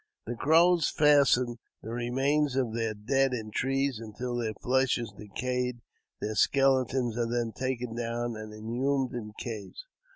The Crows fasten the remains of their dead in trees until their flesh is decayed ; their skeletons are then taken down and inhumed in caves.